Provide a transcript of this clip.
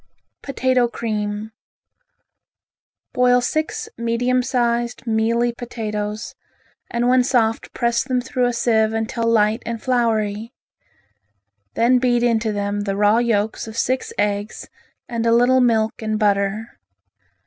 Potato Cream Boil six medium sized, mealy potatoes and when soft press them through a sieve until light and floury. Then beat into them the raw yolks of six eggs and a little milk and butter.